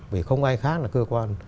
vì không ai khác là cơ quan